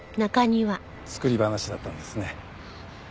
作り話だったんですね。